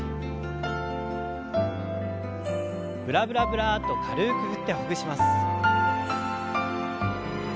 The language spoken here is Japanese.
ブラブラブラッと軽く振ってほぐします。